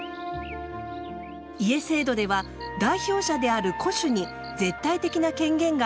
家制度では代表者である「戸主」に絶対的な権限が与えられました。